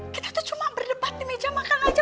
kita tuh cuma berdebat di meja makan aja